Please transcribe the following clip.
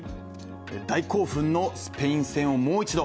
大興奮のスペイン戦をもう一度。